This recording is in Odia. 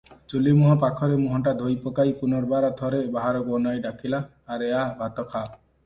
ଚୁଲିମୁହଁ ପାଖରେ ମୁହଁଟା ଧୋଇପକାଇ ପୁନର୍ବାର ଥରେ ବାହାରକୁ ଅନାଇ ଡାକିଲା, "ଆରେ ଆ, ଭାତ ଖାଆ ।"